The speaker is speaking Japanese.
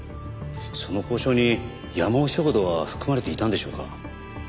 その交渉にやまお食堂は含まれていたんでしょうか？